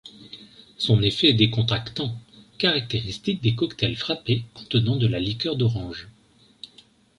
Son effet est décontractant, caractéristique des cocktails frappés contenant de la liqueur d'oranges.